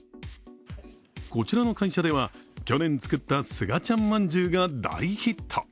こちらの会社では、去年作ったスガちゃんまんじゅうが大ヒット。